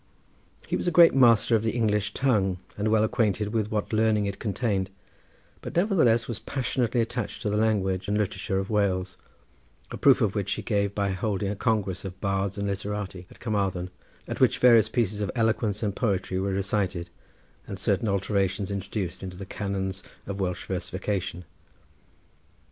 He was a great master of the English tongue, and well acquainted with what learning it contained, but nevertheless was passionately attached to the language and literature of Wales, a proof of which he gave by holding a congress of bards and literati at Carmarthen, at which various pieces of eloquence and poetry were recited, and certain alterations introduced into the canons of Welsh versification.